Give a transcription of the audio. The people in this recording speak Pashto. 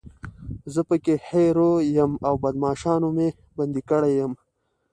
زه پکې هیرو یم او بدماشانو مې بندي کړی یم.